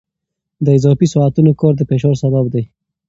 د اضافي ساعتونو کار د فشار سبب دی.